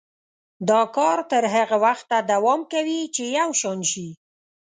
دا کار تر هغه وخته دوام کوي چې یو شان شي.